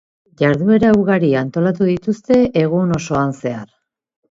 Jarduera ugari antolatu dituzte egun osoan zehar.